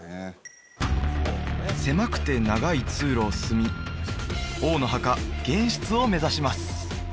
狭くて長い通路を進み王の墓玄室を目指します